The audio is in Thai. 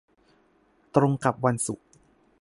ตรงกับวันศุกร์